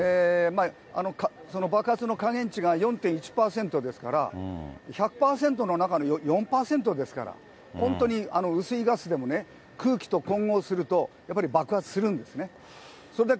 その爆発の下限値が４．１％ですから、１００％の中の４％ですから、本当に薄いガスでもね、空気と混合すると、やっぱり爆発するんですね。